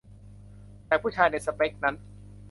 แต่ผู้ชายในสเปกนั้น